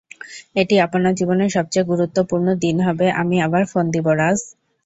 এটি আপনার জীবনের সবচেয়ে গুরুত্বপূর্ণ দিন হবে আমি আবার ফোন দিবো রাজ!